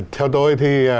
theo tôi thì